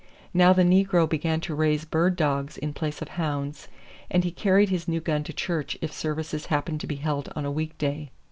Now the negro began to raise bird dogs in place of hounds, and he carried his new gun to church if services happened to be held on a week day.